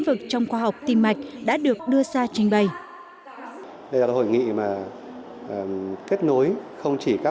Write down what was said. vực trong khoa học tiêm mạch đã được đưa ra trình bày đây là một hội nghị kết nối không chỉ các